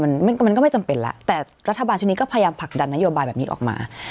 มันมันก็ไม่จำเป็นแล้วแต่รัฐบาลชุดนี้ก็พยายามผลักดันนโยบายแบบนี้ออกมา